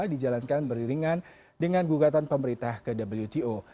dijalankan beriringan dengan gugatan pemerintah ke wto